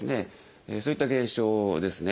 そういった現象ですね。